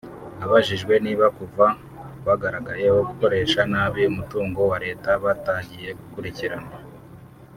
Abajijwe niba kuva bagaragayeho gukoresha nabi umutungo wa Leta batagiye gukurikiranwa